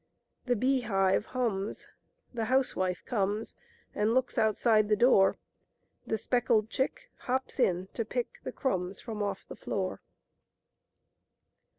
The 5ce >^i:whuins ; T\\s,House''wlf€ comes , And looks outside the Door. The speckled Chick Hops in, to pick The Crumbs from ofF the /7ajir.